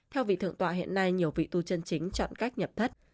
theo vị thượng tọa hiện nay nhiều vị tu chân chính chọn cách nhập thất